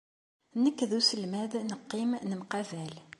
Nekk d uselmad neqqim, nemqabal.